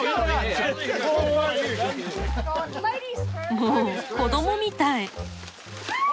もう子どもみたい。